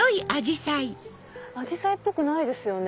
アジサイっぽくないですよね。